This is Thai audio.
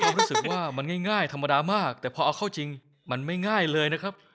รู้สึกว่ามันง่ายธรรมดามากแต่พอเอาเข้าจริงมันไม่ง่ายเลยนะครับ